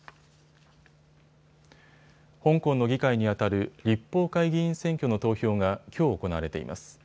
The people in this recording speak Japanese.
香港の議会にあたる立法会議員選挙の投票がきょう行われています。